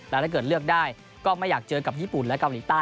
แล้วถ้าเกิดเลือกได้ก็ไม่อยากเจอกับญี่ปุ่นและเกาหลีใต้